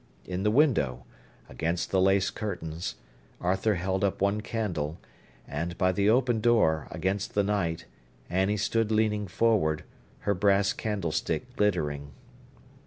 In the window, against the lace curtains, Arthur held up one candle, and by the open door, against the night, Annie stood leaning forward, her brass candlestick glittering.